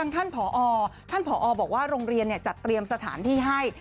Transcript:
ท่านผอท่านผอบอกว่าโรงเรียนจัดเตรียมสถานที่ให้